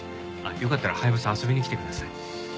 よかったらハヤブサ遊びに来てください。